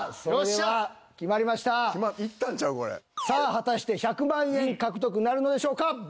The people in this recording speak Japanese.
さあ果たして１００万円獲得なるのでしょうか。